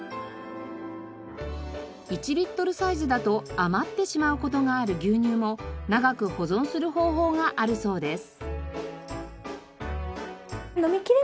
１リットルサイズだと余ってしまう事がある牛乳も長く保存する方法があるそうです。